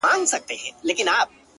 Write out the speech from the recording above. زما زړه په محبت باندي پوهېږي’